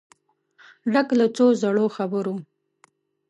ډک له څو زړو خبرو